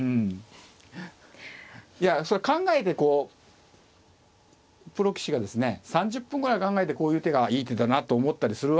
いや考えてこうプロ棋士がですね３０分ぐらい考えてこういう手がいい手だなと思ったりするわけですよ。